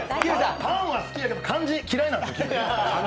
パンは好きやけど漢字嫌いなんです。